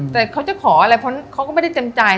แต่เขาจะขออะไรเพราะเขาก็ไม่ได้เต็มใจ